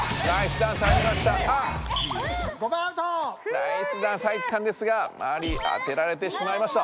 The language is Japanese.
ナイスダンス入ったんですがマリイあてられてしまいました。